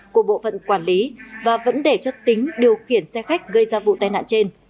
của bộ phận quản lý và vấn đề cho tính điều khiển xe khách gây ra vụ tai nạn trên